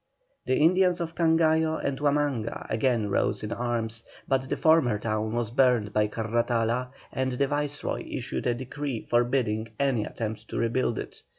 The Indians of Cangallo and Huamanga again rose in arms; but the former town was burned by Carratala, and the Viceroy issued a decree forbidding any attempt to rebuild it.